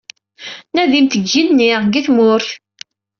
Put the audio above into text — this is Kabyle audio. Nadimt deg yigenni, deg tmurt.